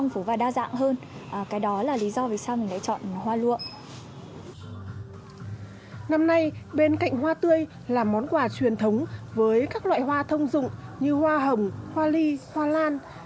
năm nay bên cạnh hoa tươi là món quà truyền thống với các loại hoa thông dụng như hoa hồng hoa ly hoa lan